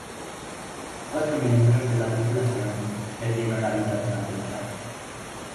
Cuatro miembros de la tripulación, perdieron la vida durante el ataque.